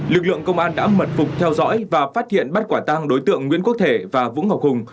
lực lượng công an đã mật phục theo dõi và phát hiện bắt quả tang đối tượng nguyễn quốc thể và vũ ngọc hùng